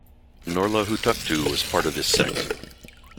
Norla Hutuktu was part of this sect.